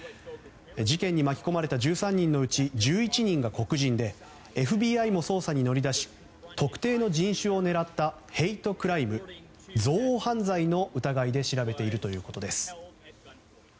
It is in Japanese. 事件に巻き込まれた１３人のうち１１人が黒人でＦＢＩも捜査に乗り出し特定の人種を狙ったヘイトクライム・憎悪犯罪の疑いで調べているということです。